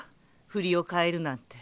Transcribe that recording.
振りを変えるなんて。